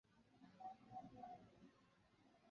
多趣杜鹃为杜鹃花科杜鹃属下的一个种。